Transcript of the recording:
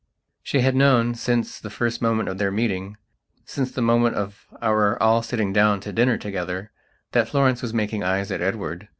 She had knownsince the first moment of their meeting, since the moment of our all sitting down to dinner togetherthat Florence was making eyes at Edward.